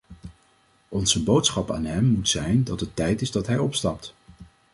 Onze boodschap aan hen moet zijn dat het tijd is dat hij opstapt.